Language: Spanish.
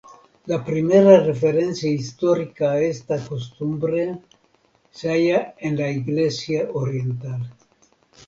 La primera referencia histórica a esta costumbre se halla en la iglesia oriental.